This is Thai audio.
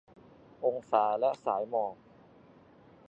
องศาและสายหมอก